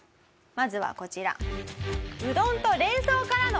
まずはこちら。